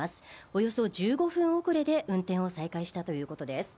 およそ１５分遅れで運転を再開したということです。